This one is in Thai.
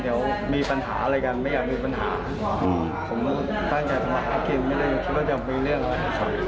เดี๋ยวมีปัญหาอะไรกันไม่อยากมีปัญหาผมก็ตั้งใจทำมาหากินไม่ได้คิดว่าจะมีเรื่องอะไรกับใคร